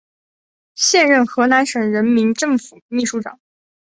现任河南省人民政府秘书长。